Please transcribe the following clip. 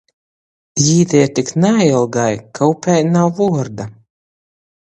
Jī te ir tik nailgai, ka upei nav vuorda.